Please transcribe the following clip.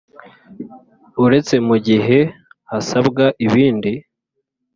uretse mu gihe hasabwa ibindi